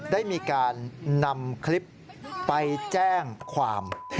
ได้มีการนำคลิปไปแจ้งความ